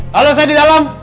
halo saya di dalam